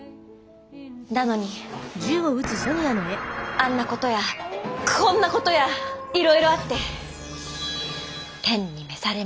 あんなことやこんなことやいろいろあって天に召されましたと。